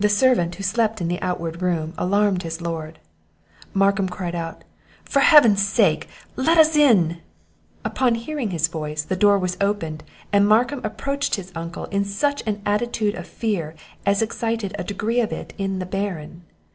The servant who slept in the outward room alarmed his lord. Markham cried out, "For Heaven's sake, let us in!" Upon hearing his voice, the door was opened, and Markham approached his Uncle in such an attitude of fear, as excited a degree of it in the Baron.